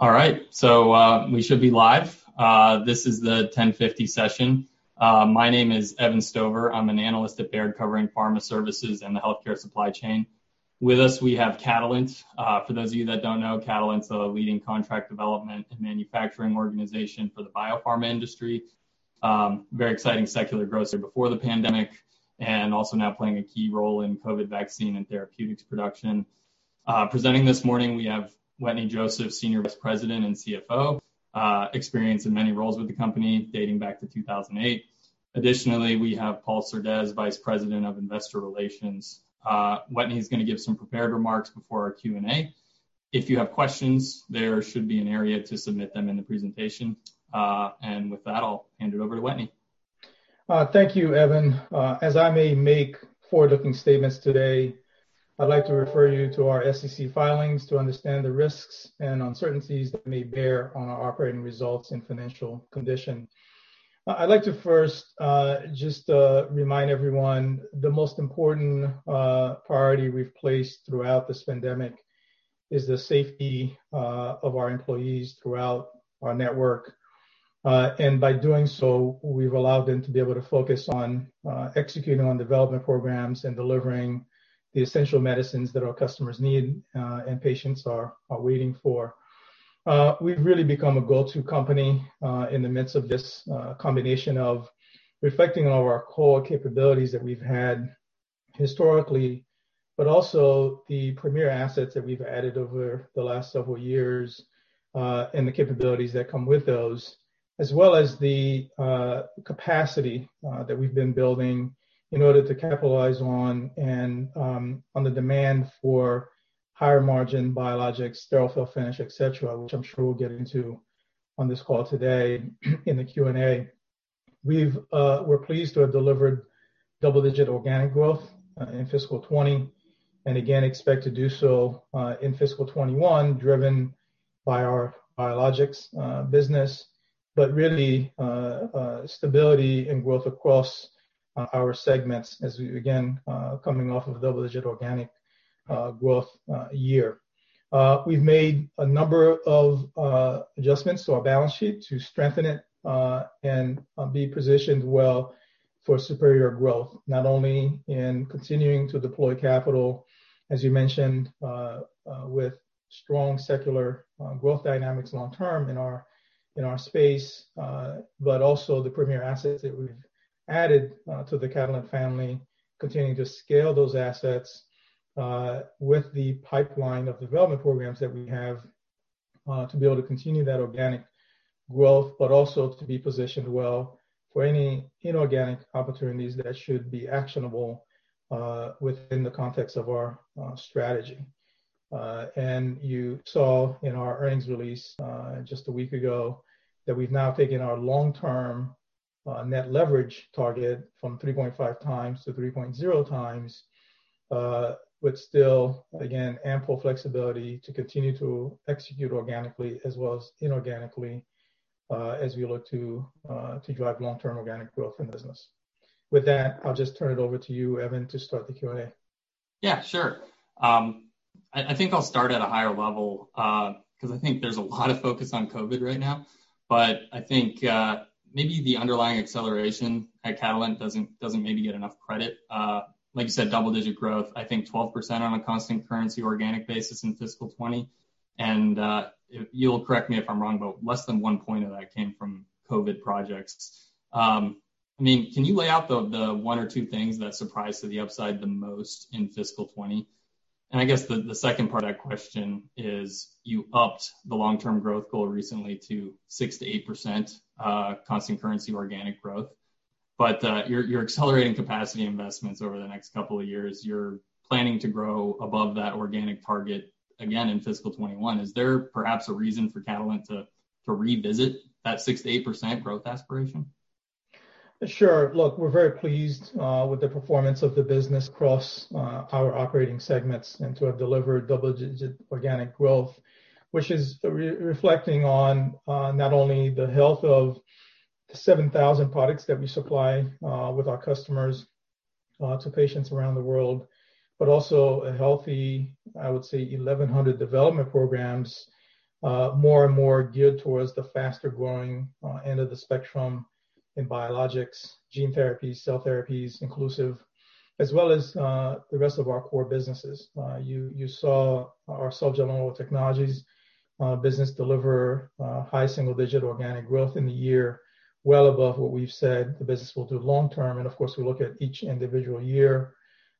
All right, so we should be live. This is the 10:50 A.M. session. My name is Evan Stover. I'm an analyst at Baird covering Pharma Services and the healthcare supply chain. With us, we have Catalent. For those of you that don't know, Catalent is a leading contract development and manufacturing organization for the biopharma industry. Very exciting secular growth before the pandemic and also now playing a key role in COVID vaccine and therapeutics production. Presenting this morning, we have Wetteny Joseph, Senior Vice President and CFO, experience in many roles with the company dating back to 2008. Additionally, we have Paul Surdez, Vice President of Investor Relations. Wetteny is going to give some prepared remarks before our Q&A. If you have questions, there should be an area to submit them in the presentation. And with that, I'll hand it over to Wetteny. Thank you, Evan. As I may make forward-looking statements today I'd like to refer you to our SEC filings to understand the risks and uncertainties that may bear on our operating results and financial condition. I'd like to first just remind everyone the most important priority we've placed throughout this pandemic is the safety of our employees throughout our network. And by doing so, we've allowed them to be able to focus on executing on development programs and delivering the essential medicines that our customers need and patients are waiting for. We've really become a go-to company in the midst of this combination of reflecting on our core capabilities that we've had historically, but also the premier assets that we've added over the last several years and the capabilities that come with those, as well as the capacity that we've been building in order to capitalize on the demand for higher margin biologics, sterile fill-finish, et cetera, which I'm sure we'll get into on this call today in the Q&A. We're pleased to have delivered double-digit organic growth in fiscal 2020 and again expect to do so in fiscal 2021 driven by our biologics business, but really stability and growth across our segments as we again coming off of a double-digit organic growth year. We've made a number of adjustments to our balance sheet to strengthen it and be positioned well for superior growth, not only in continuing to deploy capital, as you mentioned, with strong secular growth dynamics long-term in our space, but also the premier assets that we've added to the Catalent family, continuing to scale those assets with the pipeline of development programs that we have to be able to continue that organic growth, but also to be positioned well for any inorganic opportunities that should be actionable within the context of our strategy. And you saw in our earnings release just a week ago that we've now taken our long-term net leverage target from 3.5 times to 3.0 times, but still, again, ample flexibility to continue to execute organically as well as inorganically as we look to drive long-term organic growth in the business. With that, I'll just turn it over to you, Evan, to start the Q&A. Yeah sure. I think I'll start at a higher level because I think there's a lot of focus on COVID right now, but I think maybe the underlying acceleration at Catalent doesn't maybe get enough credit. Like you said, double-digit growth, I think 12% on a constant currency organic basis in fiscal 2020. And you'll correct me if I'm wrong, but less than one point of that came from COVID projects. I mean, can you lay out the one or two things that surprised to the upside the most in fiscal 2020? And I guess the second part of that question is you upped the long-term growth goal recently to 6%-8% constant currency organic growth, but you're accelerating capacity investments over the next couple of years. You're planning to grow above that organic target again in fiscal 2021. Is there perhaps a reason for Catalent to revisit that 6%-8% growth aspiration? Sure. Look, we're very pleased with the performance of the business across our operating segments and to have delivered double-digit organic growth, which is reflecting on not only the health of 7,000 products that we supply with our customers to patients around the world, but also a healthy, I would say, 1,100 development programs, more and more geared towards the faster growing end of the spectrum in biologics, gene therapies, cell therapies, inclusive, as well as the rest of our core businesses. You saw ourSoftgel and Oral Technologies business deliver high single-digit organic growth in the year, well above what we've said the business will do long-term. And of course, we look at each individual year.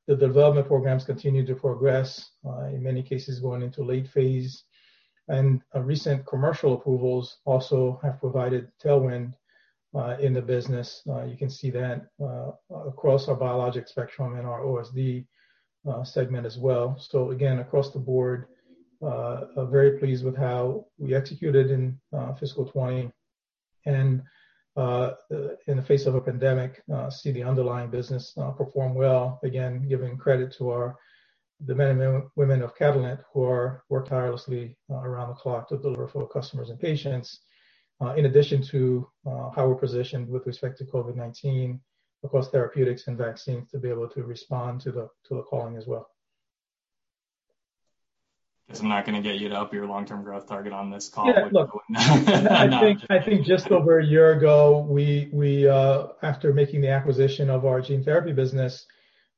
The development programs continue to progress, in many cases going into late phase. And recent commercial approvals also have provided tailwind in the business. You can see that across our biologics spectrum and our OSD segment as well. Again, across the board, very pleased with how we executed in fiscal 2020, and in the face of a pandemic, see the underlying business perform well, again, giving credit to the men and women of Catalent who are working tirelessly around the clock to deliver for customers and patients, in addition to how we're positioned with respect to COVID-19, of course, therapeutics and vaccines to be able to respond to the calling as well. I'm not going to get you to up your long-term growth target on this call. I think just over a year ago, after making the acquisition of our gene therapy business,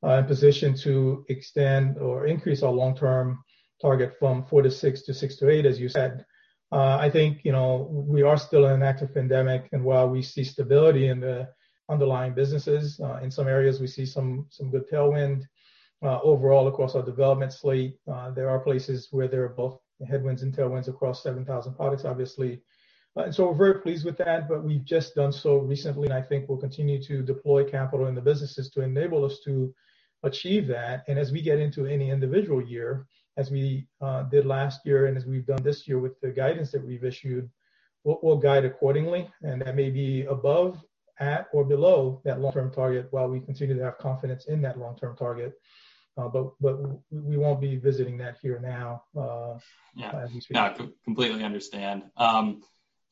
in position to extend or increase our long-term target from four to six to six to eight, as you said. I think we are still in an active pandemic, while we see stability in the underlying businesses. In some areas, we see some good tailwind overall across our development slate. There are places where there are both headwinds and tailwinds across 7,000 products, obviously, so we're very pleased with that, but we've just done so recently. I think we'll continue to deploy capital in the businesses to enable us to achieve that. As we get into any individual year, as we did last year and as we've done this year with the guidance that we've issued, we'll guide accordingly. That may be above, at, or below that long-term target while we continue to have confidence in that long-term target. We won't be visiting that here now. Yeah I completely understand.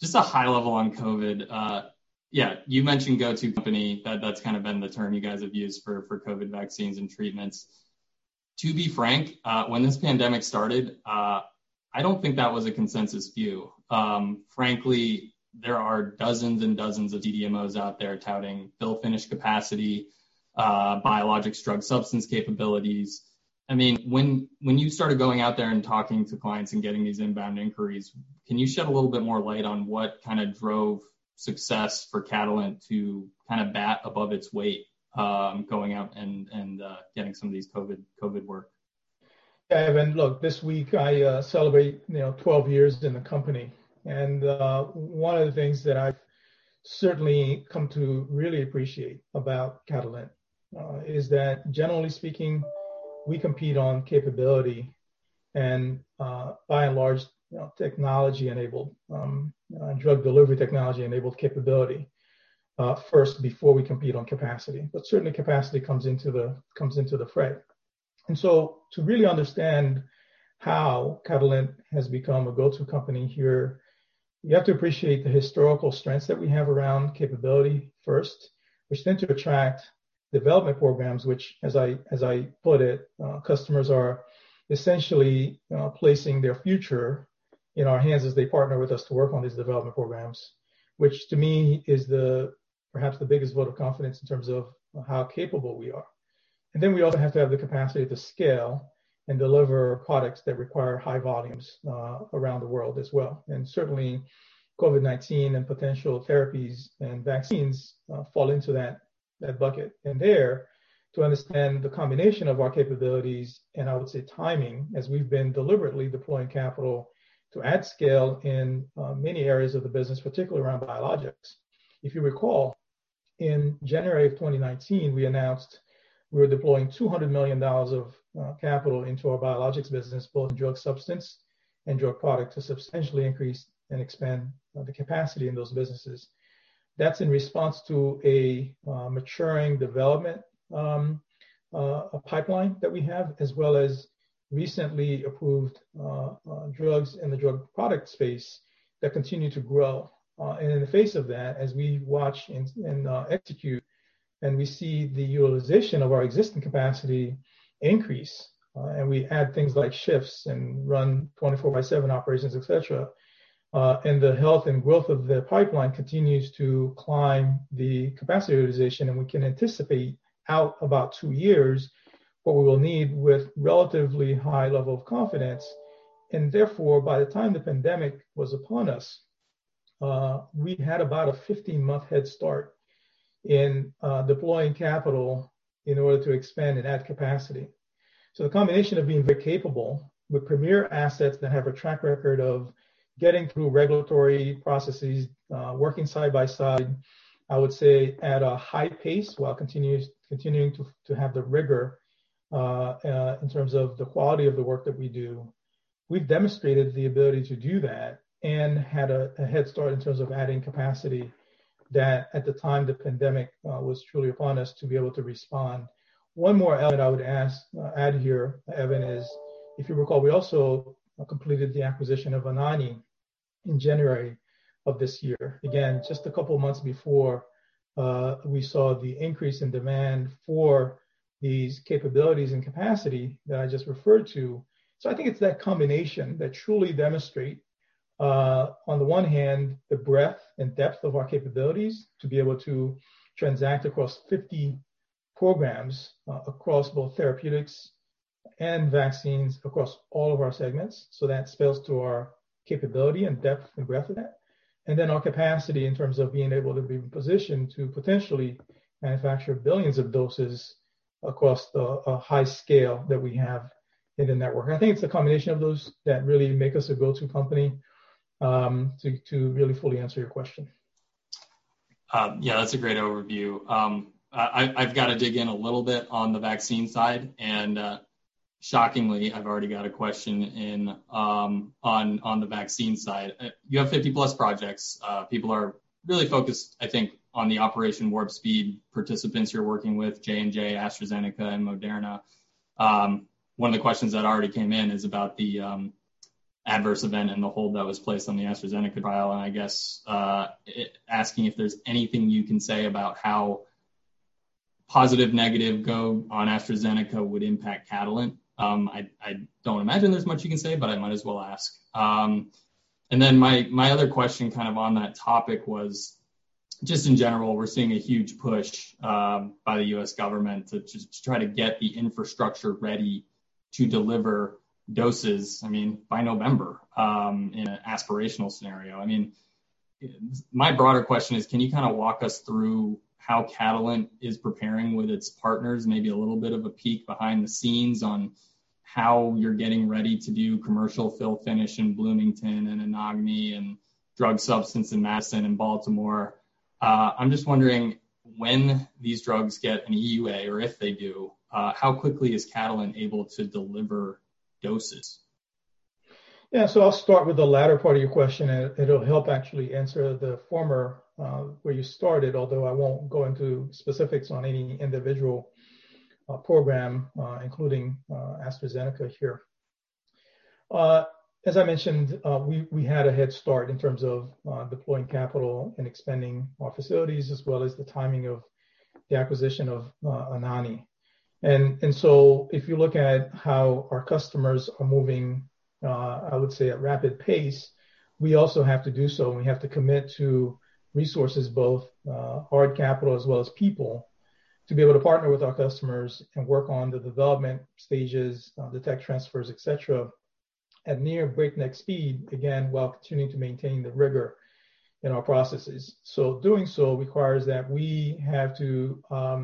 Just a high level on COVID. Yeah, you mentioned go-to company, that's kind of been the term you guys have used for COVID vaccines and treatments. To be frank, when this pandemic started, I don't think that was a consensus view. Frankly, there are dozens and dozens of CDMOs out there touting fill finish capacity, biologics, drug substance capabilities. I mean, when you started going out there and talking to clients and getting these inbound inquiries, can you shed a little bit more light on what kind of drove success for Catalent to kind of bat above its weight going out and getting some of these COVID work? Yeah, Evan, look. This week, I celebrate 12 years in the company and one of the things that I've certainly come to really appreciate about Catalent is that, generally speaking, we compete on capability and, by and large, technology-enabled drug delivery capability first before we compete on capacity. But certainly, capacity comes into the fray and so to really understand how Catalent has become a go-to company here, you have to appreciate the historical strengths that we have around capability first, which tend to attract development programs, which, as I put it, customers are essentially placing their future in our hands as they partner with us to work on these development programs, which to me is perhaps the biggest vote of confidence in terms of how capable we are. And then we also have to have the capacity to scale and deliver products that require high volumes around the world as well. And certainly, COVID-19 and potential therapies and vaccines fall into that bucket. And there, to understand the combination of our capabilities and, I would say, timing, as we've been deliberately deploying capital to add scale in many areas of the business, particularly around biologics. If you recall, in January of 2019, we announced we were deploying $200 million of capital into our biologics business, both drug substance and drug product to substantially increase and expand the capacity in those businesses. That's in response to a maturing development pipeline that we have, as well as recently approved drugs in the drug product space that continue to grow. And in the face of that, as we watch and execute and we see the utilization of our existing capacity increase and we add things like shifts and run 24 by 7 operations, et cetera, and the health and growth of the pipeline continues to climb the capacity utilization, and we can anticipate out about two years what we will need with relatively high level of confidence. And therefore, by the time the pandemic was upon us, we had about a 15-month head start in deploying capital in order to expand and add capacity. So the combination of being very capable with premier assets that have a track record of getting through regulatory processes, working side by side, I would say, at a high pace while continuing to have the rigor in terms of the quality of the work that we do, we've demonstrated the ability to do that and had a head start in terms of adding capacity that, at the time the pandemic was truly upon us, to be able to respond. One more element I would add here, Evan, is if you recall, we also completed the acquisition of Anagni in January of this year, again, just a couple of months before we saw the increase in demand for these capabilities and capacity that I just referred to. I think it's that combination that truly demonstrates, on the one hand, the breadth and depth of our capabilities to be able to transact across 50 programs across both therapeutics and vaccines across all of our segments. That speaks to our capability and depth and breadth of that. Our capacity in terms of being able to be positioned to potentially manufacture billions of doses across the high scale that we have in the network. I think it's a combination of those that really make us a go-to company to really fully answer your question. Yeah that's a great overview. I've got to dig in a little bit on the vaccine side. And shockingly, I've already got a question on the vaccine side. You have 50-plus projects. People are really focused, I think, on the Operation Warp Speed participants you're working with, J&J, AstraZeneca, and Moderna. One of the questions that already came in is about the adverse event and the hold that was placed on the AstraZeneca trial. And I guess asking if there's anything you can say about how positive, negative go on AstraZeneca would impact Catalent. I don't imagine there's much you can say, but I might as well ask. And then my other question kind of on that topic was, just in general, we're seeing a huge push by the U.S. government to try to get the infrastructure ready to deliver doses, I mean, by November in an aspirational scenario. I mean, my broader question is, can you kind of walk us through how Catalent is preparing with its partners, maybe a little bit of a peek behind the scenes on how you're getting ready to do commercial fill-finish in Bloomington and Anagni and drug substance in Madison and Baltimore? I'm just wondering when these drugs get an EUA or if they do, how quickly is Catalent able to deliver doses? Yeah, so I'll start with the latter part of your question. It'll help actually answer the former where you started, although I won't go into specifics on any individual program, including AstraZeneca here. As I mentioned, we had a head start in terms of deploying capital and expanding our facilities as well as the timing of the acquisition of Anagni. And so if you look at how our customers are moving, I would say, at rapid pace, we also have to do so. We have to commit to resources, both hard capital as well as people, to be able to partner with our customers and work on the development stages, the tech transfers, et cetera, at near breakneck speed, again, while continuing to maintain the rigor in our processes. So doing so requires that we have to,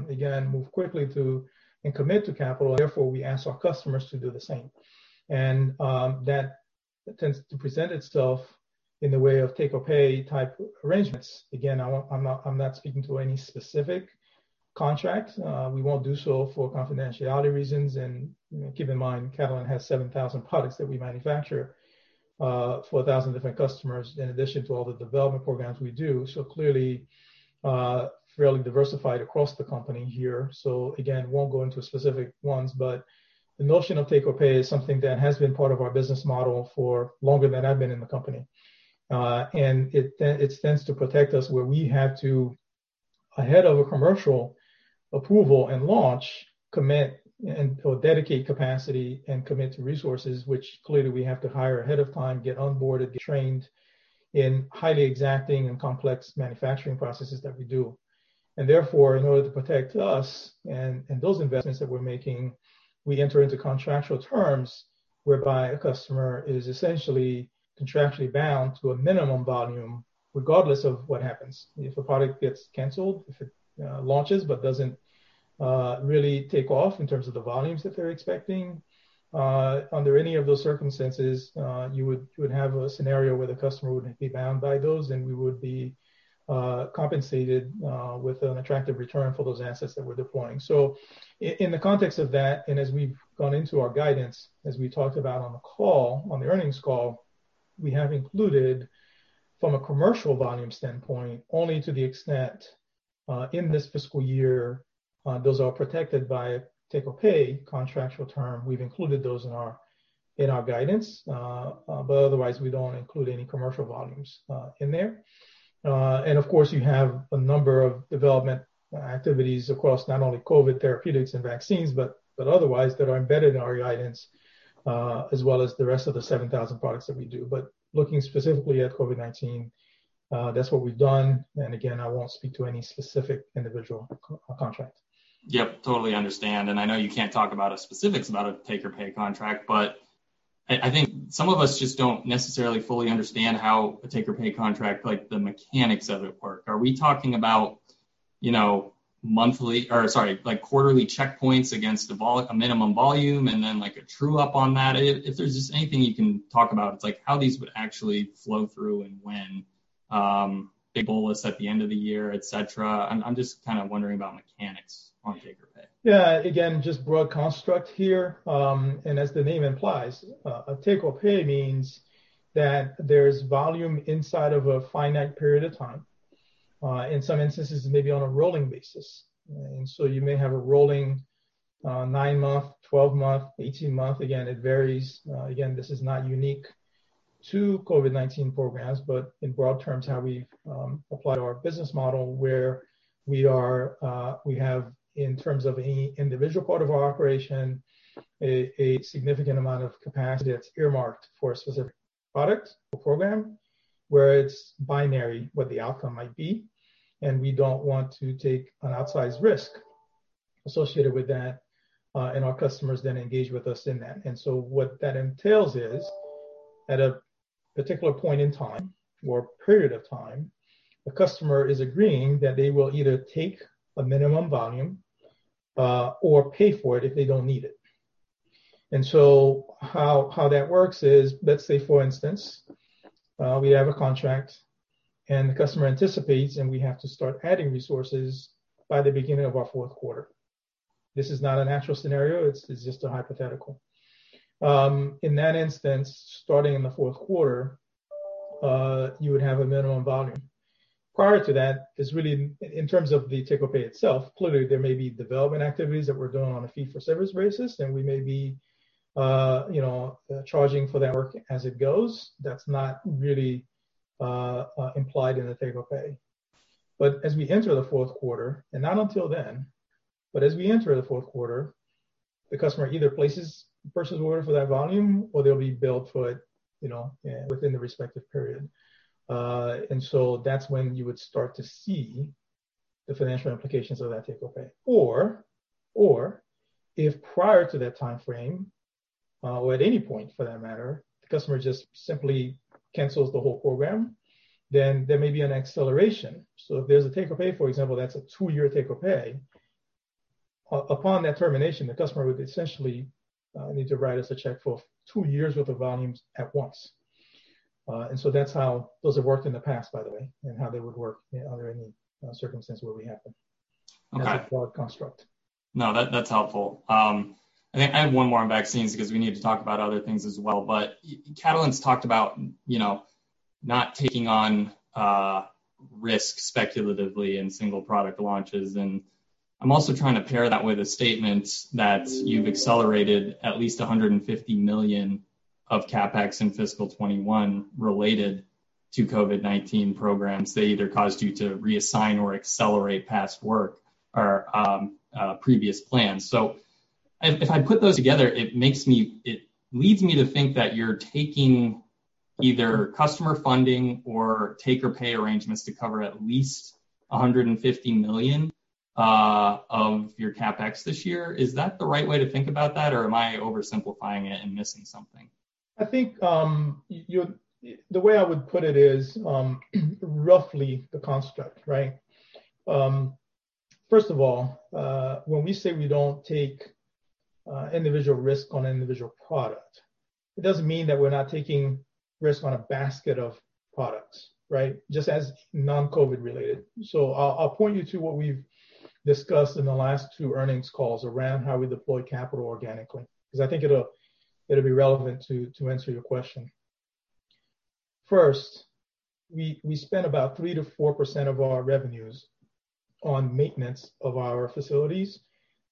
again, move quickly to and commit to capital. Therefore, we ask our customers to do the same. And that tends to present itself in the way of take-or-pay type arrangements. Again, I'm not speaking to any specific contract. We won't do so for confidentiality reasons. And keep in mind, Catalent has 7,000 products that we manufacture for 1,000 different customers in addition to all the development programs we do. So clearly, fairly diversified across the company here. So again, won't go into specific ones, but the notion of take-or-pay is something that has been part of our business model for longer than I've been in the company. And it tends to protect us where we have to, ahead of a commercial approval and launch, commit and dedicate capacity and commit to resources, which clearly we have to hire ahead of time, get onboarded, get trained in highly exacting and complex manufacturing processes that we do. Therefore, in order to protect us and those investments that we're making, we enter into contractual terms whereby a customer is essentially contractually bound to a minimum volume regardless of what happens. If a product gets canceled, if it launches but doesn't really take off in terms of the volumes that they're expecting, under any of those circumstances, you would have a scenario where the customer would be bound by those, and we would be compensated with an attractive return for those assets that we're deploying. In the context of that, and as we've gone into our guidance, as we talked about on the call, on the earnings call, we have included from a commercial volume standpoint, only to the extent in this fiscal year those are protected by take-or-pay contractual term, we've included those in our guidance. Otherwise, we don't include any commercial volumes in there. And of course, you have a number of development activities across not only COVID therapeutics and vaccines, but otherwise that are embedded in our guidance as well as the rest of the 7,000 products that we do. But looking specifically at COVID-19, that's what we've done. And again, I won't speak to any specific individual contract. Yep totally understand. And I know you can't talk about specifics about a take-or-pay contract, but I think some of us just don't necessarily fully understand how a take-or-pay contract, like the mechanics of it work. Are we talking about monthly or, sorry, quarterly checkpoints against a minimum volume and then a true-up on that? If there's just anything you can talk about, it's like how these would actually flow through and when, big bullets at the end of the year, et cetera. I'm just kind of wondering about mechanics on take-or-pay. Yeah, again, just broad construct here. And as the name implies, a take-or-pay means that there's volume inside of a finite period of time. In some instances, maybe on a rolling basis. And so you may have a rolling nine-month, 12-month, 18-month. Again, it varies. Again, this is not unique to COVID-19 programs, but in broad terms, how we've applied our business model where we have in terms of any individual part of our operation, a significant amount of capacity that's earmarked for a specific product or program where it's binary what the outcome might be. And we don't want to take an outsized risk associated with that, and our customers then engage with us in that. And so what that entails is at a particular point in time or period of time, the customer is agreeing that they will either take a minimum volume or pay for it if they don't need it. And so how that works is, let's say, for instance, we have a contract and the customer anticipates and we have to start adding resources by the beginning of our fourth quarter. This is not a natural scenario. It's just a hypothetical. In that instance, starting in the fourth quarter, you would have a minimum volume. Prior to that, it's really in terms of the take-or-pay itself, clearly there may be development activities that we're doing on a fee-for-service basis, and we may be charging for that work as it goes. That's not really implied in the take-or-pay. But as we enter the fourth quarter, and not until then, but as we enter the fourth quarter, the customer either places a purchase order for that volume or they'll be billed for it within the respective period. And so that's when you would start to see the financial implications of that take-or-pay. Or if prior to that timeframe or at any point for that matter, the customer just simply cancels the whole program, then there may be an acceleration. So if there's a take-or-pay, for example, that's a two-year take-or-pay, upon that termination, the customer would essentially need to write us a check for two years' worth of volumes at once. And so that's how those have worked in the past, by the way, and how they would work under any circumstance where we have them. That's a broad construct. No, that's helpful. I think I have one more on vaccines because we need to talk about other things as well. But Catalent's talked about not taking on risk speculatively in single product launches. And I'm also trying to pair that with a statement that you've accelerated at least $150 million of CapEx in fiscal 2021 related to COVID-19 programs. They either caused you to reassign or accelerate past work or previous plans. So if I put those together, it leads me to think that you're taking either customer funding or take-or-pay arrangements to cover at least $150 million of your CapEx this year. Is that the right way to think about that, or am I oversimplifying it and missing something? I think the way I would put it is roughly the construct, right? First of all, when we say we don't take individual risk on individual product, it doesn't mean that we're not taking risk on a basket of products, right? Just as non-COVID related. So I'll point you to what we've discussed in the last two earnings calls around how we deploy capital organically. Because I think it'll be relevant to answer your question. First, we spend about 3%-4% of our revenues on maintenance of our facilities,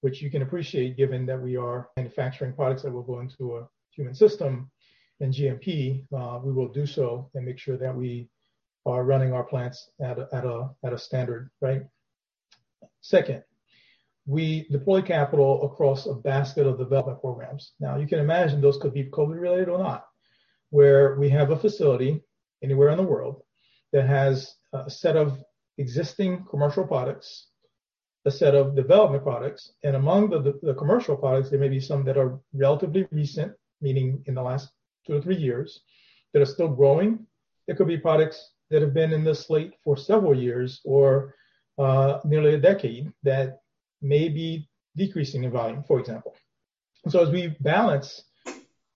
which you can appreciate given that we are manufacturing products that will go into a human system and GMP, we will do so and make sure that we are running our plants at a standard, right? Second, we deploy capital across a basket of development programs. Now, you can imagine those could be COVID related or not, where we have a facility anywhere in the world that has a set of existing commercial products, a set of development products, and among the commercial products, there may be some that are relatively recent, meaning in the last two or three years, that are still growing. There could be products that have been in the slate for several years or nearly a decade that may be decreasing in volume, for example, and so as we balance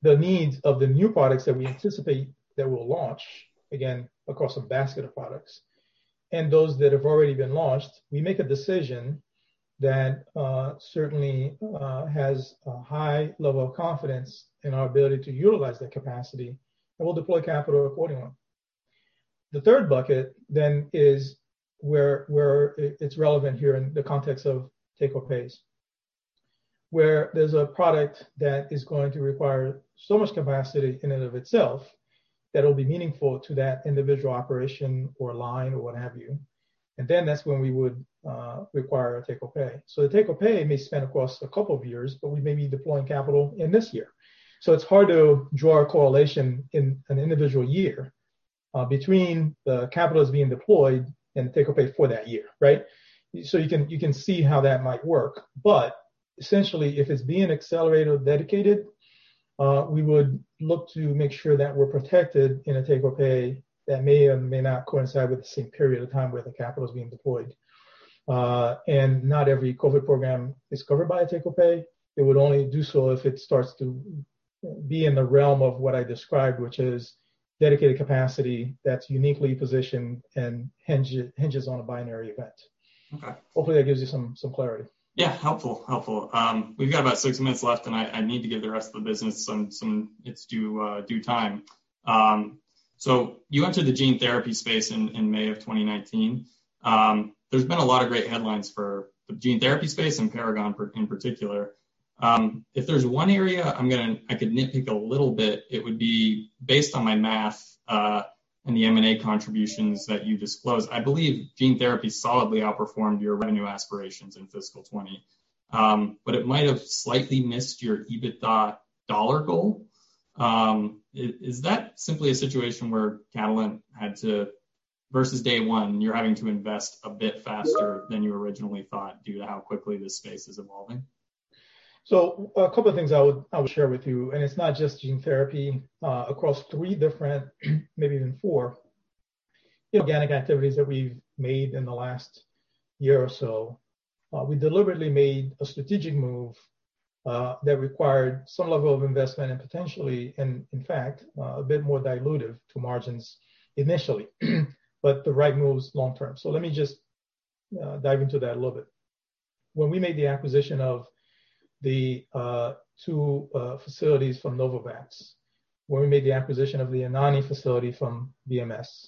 the needs of the new products that we anticipate that will launch, again, across a basket of products and those that have already been launched, we make a decision that certainly has a high level of confidence in our ability to utilize that capacity and we'll deploy capital accordingly. The third bucket then is where it's relevant here in the context of take-or-pays, where there's a product that is going to require so much capacity in and of itself that it'll be meaningful to that individual operation or line or what have you. And then that's when we would require a take-or-pay. So the take-or-pay may spend across a couple of years, but we may be deploying capital in this year. So it's hard to draw a correlation in an individual year between the capital that's being deployed and the take-or-pay for that year, right? So you can see how that might work. But essentially, if it's being accelerated or dedicated, we would look to make sure that we're protected in a take-or-pay that may or may not coincide with the same period of time where the capital is being deployed. And not every COVID program is covered by a take-or-pay. It would only do so if it starts to be in the realm of what I described, which is dedicated capacity that's uniquely positioned and hinges on a binary event. Hopefully, that gives you some clarity. Yeah helpful. Helpful. We've got about six minutes left, and I need to give the rest of the business some due time. So you entered the gene therapy space in May of 2019. There's been a lot of great headlines for the gene therapy space and Paragon in particular. If there's one area I could nitpick a little bit, it would be based on my math and the M&A contributions that you disclosed. I believe gene therapy solidly outperformed your revenue aspirations in fiscal 2020, but it might have slightly missed your EBITDA dollar goal. Is that simply a situation where Catalent had to versus day one, you're having to invest a bit faster than you originally thought due to how quickly this space is evolving? A couple of things I would share with you. It's not just gene therapy. Across three different, maybe even four organic activities that we've made in the last year or so, we deliberately made a strategic move that required some level of investment and potentially, and in fact, a bit more dilutive to margins initially, but the right moves long term. Let me just dive into that a little bit. When we made the acquisition of the two facilities from Novavax, when we made the acquisition of the Anagni facility from BMS,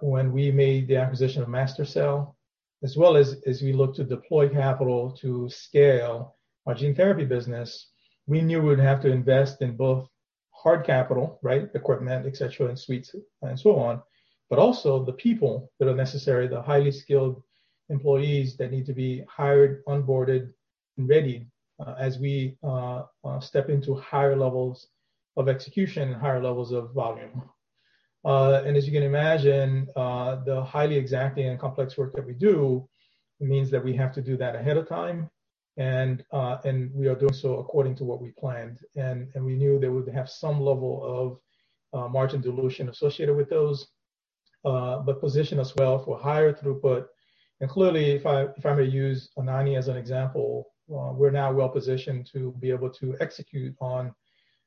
when we made the acquisition of MaSTherCell, as well as we looked to deploy capital to scale our gene therapy business, we knew we would have to invest in both hard capital, right, equipment, et cetera, and suites and so on, but also the people that are necessary, the highly skilled employees that need to be hired, onboarded, and ready as we step into higher levels of execution and higher levels of volume, and as you can imagine, the highly exacting and complex work that we do means that we have to do that ahead of time, and we are doing so according to what we planned. We knew there would have some level of margin dilution associated with those, but positioned us well for higher throughput, and clearly, if I may use Anagni as an example, we're now well positioned to be able to execute on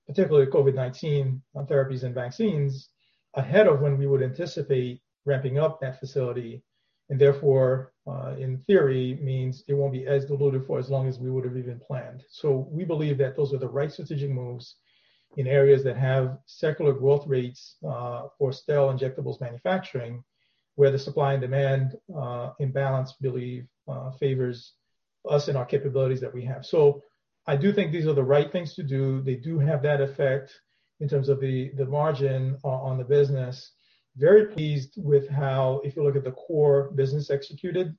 particularly COVID-19 therapies and vaccines ahead of when we would anticipate ramping up that facility, and therefore, in theory, means it won't be as diluted for as long as we would have even planned, so we believe that those are the right strategic moves in areas that have secular growth rates for sterile injectables manufacturing, where the supply and demand imbalance, believe, favors us in our capabilities that we have, so I do think these are the right things to do. They do have that effect in terms of the margin on the business. Very pleased with how, if you look at the core business executed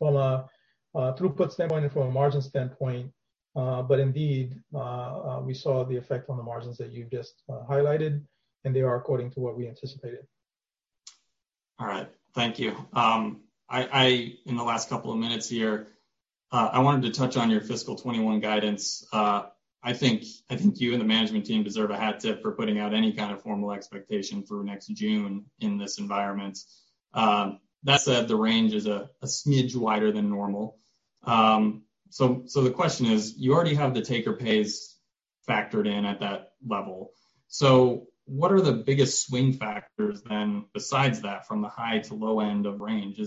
from a throughput standpoint and from a margin standpoint. But indeed, we saw the effect on the margins that you've just highlighted, and they are according to what we anticipated. All right. Thank you. In the last couple of minutes here, I wanted to touch on your fiscal 2021 guidance. I think you and the management team deserve a hat tip for putting out any kind of formal expectation for next June in this environment. That said, the range is a smidge wider than normal. So the question is, you already have the take-or-pays factored in at that level. So what are the biggest swing factors then besides that from the high to low end of range?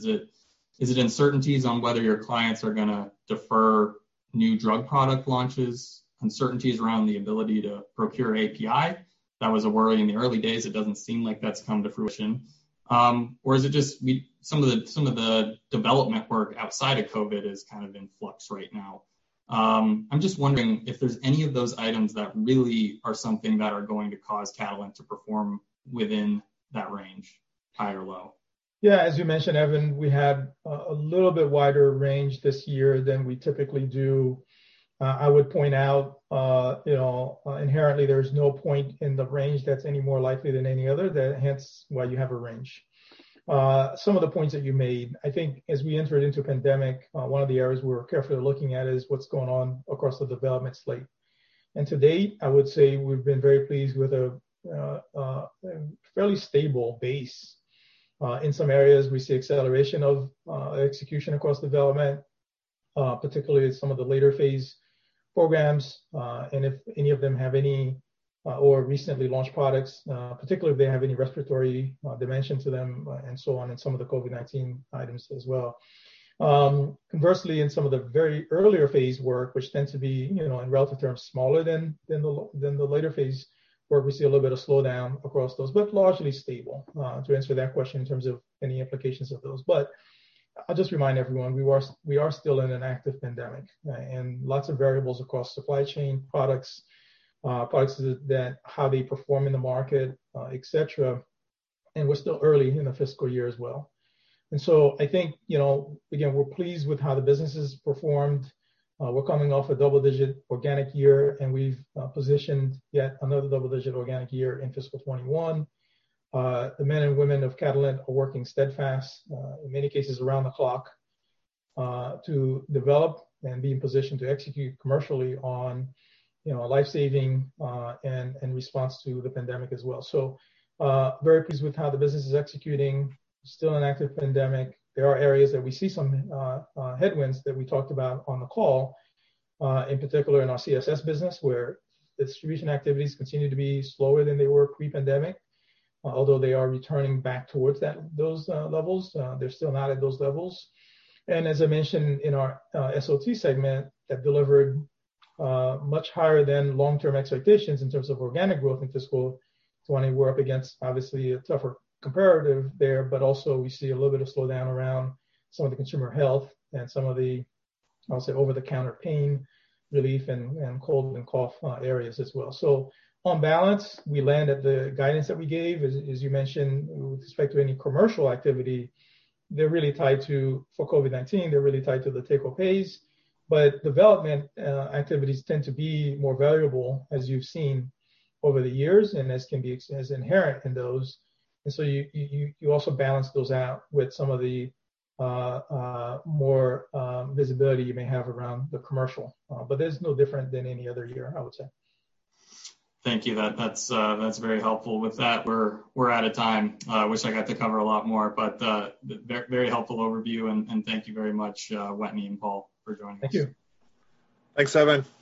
Is it uncertainties on whether your clients are going to defer new drug product launches, uncertainties around the ability to procure API? That was a worry in the early days. It doesn't seem like that's come to fruition. Or is it just some of the development work outside of COVID is kind of in flux right now? I'm just wondering if there's any of those items that really are something that are going to cause Catalent to perform within that range, high or low? Yeah, as you mentioned, Evan, we had a little bit wider range this year than we typically do. I would point out, inherently, there's no point in the range that's any more likely than any other. Hence why you have a range. Some of the points that you made, I think as we entered into pandemic, one of the areas we were carefully looking at is what's going on across the development slate. And to date, I would say we've been very pleased with a fairly stable base. In some areas, we see acceleration of execution across development, particularly in some of the later phase programs. And if any of them have any or recently launched products, particularly if they have any respiratory dimension to them and so on, and some of the COVID-19 items as well. Conversely, in some of the very early phase work, which tends to be, in relative terms, smaller than the later phase work, we see a little bit of slowdown across those, but largely stable, to answer that question in terms of any implications of those, but I'll just remind everyone, we are still in an active pandemic and lots of variables across supply chain, products, products that how they perform in the market, et cetera, and we're still early in the fiscal year as well, and so I think, again, we're pleased with how the business has performed. We're coming off a double-digit organic year, and we've positioned yet another double-digit organic year in fiscal 2021. The men and women of Catalent are working steadfast, in many cases around the clock, to develop and be in position to execute commercially on life-saving and response to the pandemic as well. So very pleased with how the business is executing. Still an active pandemic. There are areas that we see some headwinds that we talked about on the call, in particular in our CSS business, where distribution activities continue to be slower than they were pre-pandemic, although they are returning back towards those levels. They're still not at those levels. And as I mentioned, in our SOT segment, that delivered much higher than long-term expectations in terms of organic growth in fiscal 2020. We're up against, obviously, a tougher comparative there, but also we see a little bit of slowdown around some of the consumer health and some of the, I'll say, over-the-counter pain relief and cold and cough areas as well. So on balance, we land at the guidance that we gave, as you mentioned, with respect to any commercial activity. They're really tied to for COVID-19. They're really tied to the take-or-pay. But development activities tend to be more valuable, as you've seen over the years, and this can be as inherent in those. And so you also balance those out with some of the more visibility you may have around the commercial. But there's no different than any other year, I would say. Thank you. That's very helpful with that. We're out of time. I wish I got to cover a lot more, but very helpful overview. And thank you very much, Wetteny and Paul, for joining us. Thank you. Thanks, Evan.